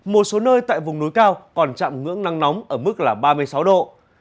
một số nơi tại vùng núi cao còn chạm ngưỡng nắng nóng ở mức là ba mươi sáu độ